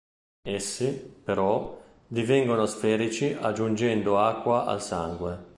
Essi, però, divengono sferici aggiungendo acqua al sangue.